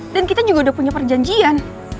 dan kita juga udah punya perjanjian